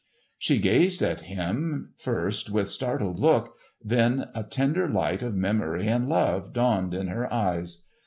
She gazed at him first with startled look; then a tender light of memory and love dawned in her eyes.